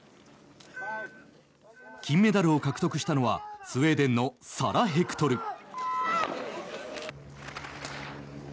金メダルを獲得したのはスウェーデンのサラ・ヘクトル。